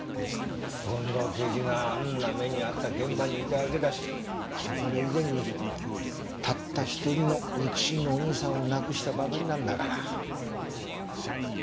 権藤刑事があんな目に遭った現場にいたわけだしまあそれ以前にたったひとりの肉親のお兄さんを亡くしたばかりなんだから。